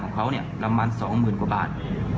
ของเขาประมาณ๒๐๐๐๐บาท